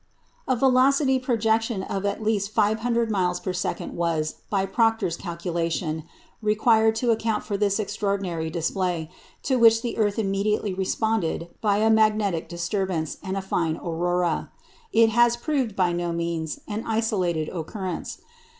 " A velocity of projection of at least 500 miles per second was, by Proctor's calculation, required to account for this extraordinary display, to which the earth immediately responded by a magnetic disturbance, and a fine aurora. It has proved by no means an isolated occurrence.